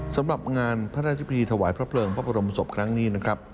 สำหรับงานพระราชพิธีถวายพระเพลิงพระบรมศพครั้งนี้นะครับ